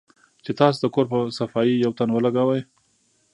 چې تاسو د کور پۀ صفائي يو تن ولګوۀ